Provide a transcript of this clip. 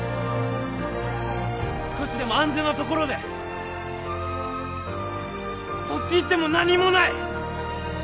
少しでも安全なところでそっち行っても何もない！